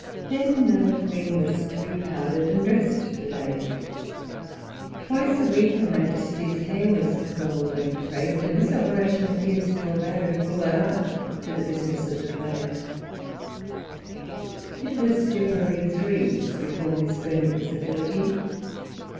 Then the Queen was to be powdered and dressed for the day. Twice a week her Majesty's hair was curled and craped; and this operation appears to have added a full hour to the business of the toilette. It was generally three before Miss Burney was at liberty.